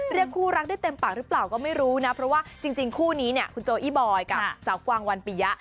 เรียกคู่รักได้เต็มปากหรือเปล่าก็ไม่รู้นะเพราะว่าจริงคู่นี้เนี่ยคุณโจอี้บอยกับสาวกวางวันปียะ